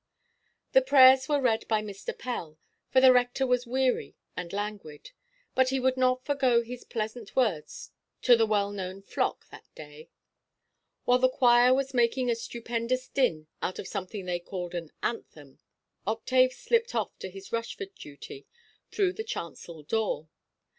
The prayers were read by Mr. Pell, for the rector was weary and languid; but he would not forego his pleasant words to the well–known flock that day. While the choir was making a stupendous din out of something they called an "anthem," Octave slipped off to his Rushford duty, through the chancel–door.